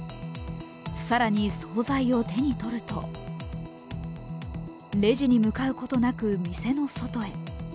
更に総菜を手に取るとレジに向かうことなく店の外へ。